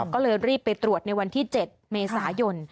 ก็เลยรีบไปตรวจในวันที่๗เมษายน